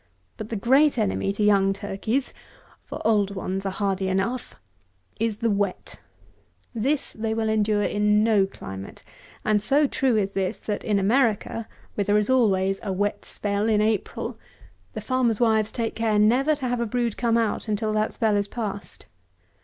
But the great enemy to young turkeys (for old ones are hardy enough) is the wet. This they will endure in no climate; and so true is this, that, in America, where there is always "a wet spell" in April, the farmers' wives take care never to have a brood come out until that spell is passed.